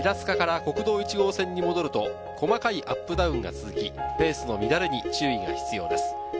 平塚から国道１号線に戻ると細かいアップダウンが続き、ペースの乱れに注意が必要です。